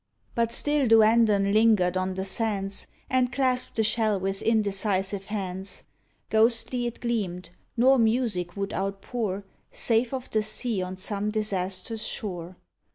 H DUANDON But still Duandon lingered on the sands And clasped the shell with indecisive hands; Ghostly it gleamed, nor music would outpour Save of the sea on some disastrous shore.